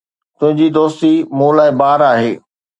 تنهنجي دوستي مون لاءِ بار آهي